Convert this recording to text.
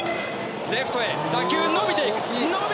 レフトへ打球伸びていく！